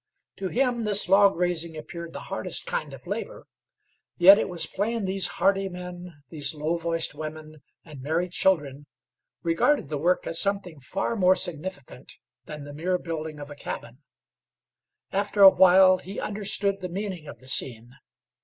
To him this log raising appeared the hardest kind of labor. Yet it was plain these hardy men, these low voiced women, and merry children regarded the work as something far more significant than the mere building of a cabin. After a while he understood the meaning of the scene.